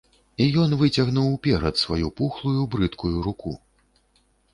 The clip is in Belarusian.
І ён выцягнуў уперад сваю пухлую, брыдкую руку.